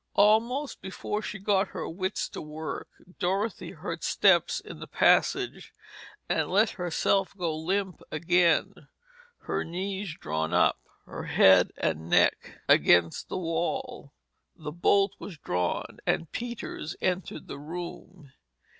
Almost before she had got her wits to work, Dorothy heard steps in the passage and let herself go limp again, her knees drawn up, her head and neck against the wall. The bolt was drawn, and Peters entered the room.